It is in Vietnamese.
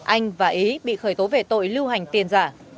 anh và ý bị khởi tố về tội lưu hành tiền giả